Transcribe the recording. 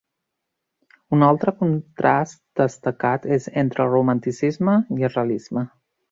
Un altre contrast destacat és entre el romanticisme i el realisme.